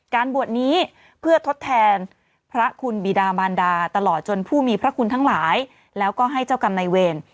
บวชนี้เพื่อทดแทนพระคุณบิดามานดาตลอดจนผู้มีพระคุณทั้งหลายแล้วก็ให้เจ้ากรรมนายเวร